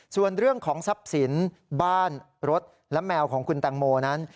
ส่วนเรื่องของทรัพย์สินบ้านรถและแมวของคุณแตงโมนั้น